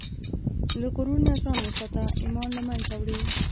له غرور نه ځان وساته، ایمان له منځه وړي.